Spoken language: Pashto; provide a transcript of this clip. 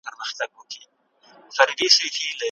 د خنډونو د له منځه وړلو لپاره تدابير ونيول سول.